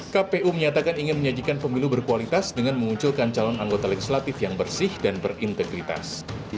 kpu menyatakan ingin menyajikan pemilu berkualitas dengan memunculkan calon anggota legislatif yang bersih dan berintegritas